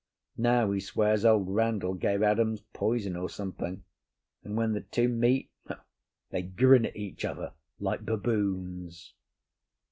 Now he swears old Randall gave Adams poison or something, and when the two meet they grin at each other like baboons."